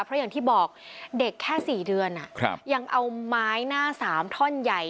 เพราะอย่างที่บอกเด็กแค่๔เดือนยังเอาไม้หน้าสามท่อนใหญ่